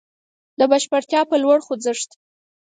د بشپړتيا په لور خوځښت.